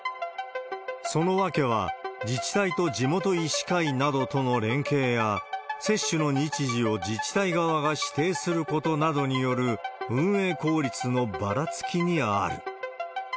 その訳は、自治体と地元医師会などとの連携や、接種の日時を自治体側が指定することなどによる運営効率のばらつきにある。